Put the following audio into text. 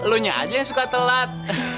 lo nya aja yang suka telat